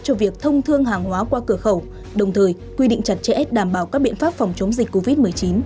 cho việc thông thương hàng hóa qua cửa khẩu đồng thời quy định chặt chẽ đảm bảo các biện pháp phòng chống dịch covid một mươi chín